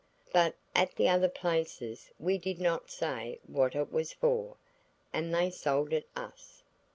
But at the other places we did not say what it was for, and they sold it us.